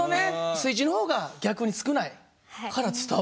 水中の方が逆に少ないから伝わる。